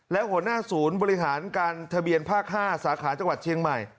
และหัวหน้าศูนย์บริหารการทะเบียนภาค๕สาขาจังหวัดเชียงใหม่